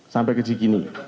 sampai ke jikini